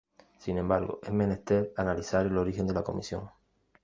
Sin embargo, es menester analizar el origen de la Comisión.